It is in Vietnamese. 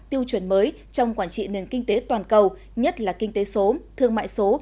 tiêu chuẩn mới trong quản trị nền kinh tế toàn cầu nhất là kinh tế số thương mại số